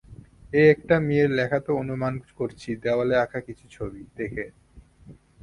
এটা একটা মেয়ের লেখা তা অনুমান করছি দেয়ালে আঁকা কিছু ছবি দেখে।